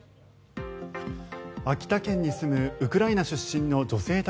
秋田県に住むウクライナ出身の女性